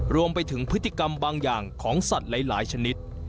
รวมไปถึงพฤติกรรมบางอย่างของสัตว์หลายชนิด